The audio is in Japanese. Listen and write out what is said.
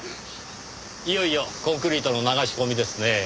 いよいよコンクリートの流し込みですねぇ。